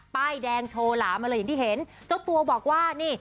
ป้ายแดงโชคล้ำอย่างที่เห็น